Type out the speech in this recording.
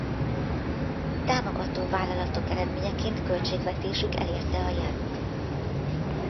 Támogató vállalatok eredményeként költségvetésük elérte a jent.